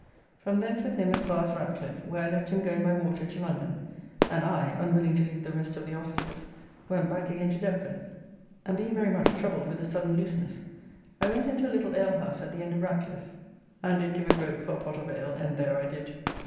From thence with him as far as Ratcliffe, where I left him going by water to London, and I (unwilling to leave the rest of the officers) went back again to Deptford, and being very much troubled with a sudden looseness, I went into a little alehouse at the end of Ratcliffe, and did give a groat for a pot of ale, and there I did...